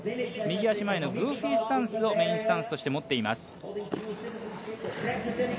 右足前のグーフィースタンスをメインスタンスとして持っています。